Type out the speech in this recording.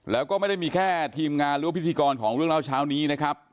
แล้วก็ไม่ได้มีแค่ทีมงานหรือว่าพิธีกรของเรื่องเล่าเช้านี้นะครับ